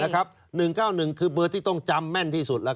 ๑๙๑คือเบอร์ที่ต้องจำแม่นที่สุด